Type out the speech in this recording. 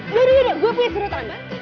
ya udah ya udah gue punya serutan